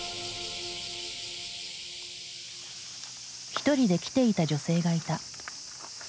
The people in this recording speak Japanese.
一人で来ていた女性がいた。